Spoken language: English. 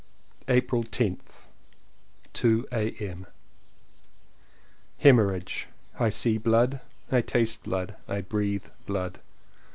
April 10th. 2.30 a. m. Hemorrhage! I see blood; I taste blood; I breathe blood!